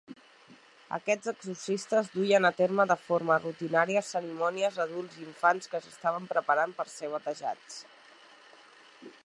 Aquests exorcistes duien a terme de forma rutinària cerimònies a adults i infants que s'estaven preparant per a ser batejats.